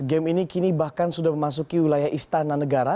game ini kini bahkan sudah memasuki wilayah istana negara